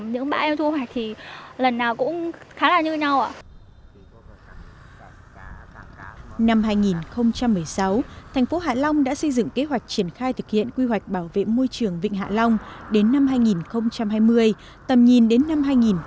năm hai nghìn một mươi sáu thành phố hạ long đã xây dựng kế hoạch triển khai thực hiện quy hoạch bảo vệ môi trường vịnh hạ long đến năm hai nghìn hai mươi tầm nhìn đến năm hai nghìn ba mươi